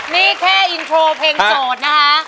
นี่แค่อินโทรเพลงโสดนะฮะ